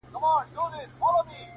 والاشان او عالیشان دي مقامونه؛